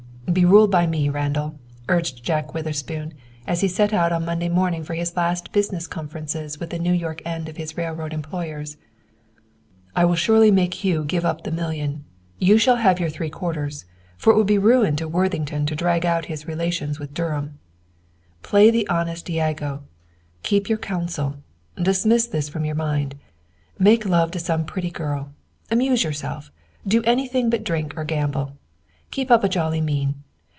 "Be ruled by me, Randall," urged Jack Witherspoon, as he set out on Monday morning for his last business conferences with the New York end of his railroad employers. "I will surely make Hugh give up the million. You shall have your three quarters, for it would be ruin to Worthington to drag out his relations with Durham." "Play the honest Iago. Keep your counsel. Dismiss this from you mind. Make love to some pretty girl, amuse yourself. Do anything but drink or gamble. Keep up a jolly mien.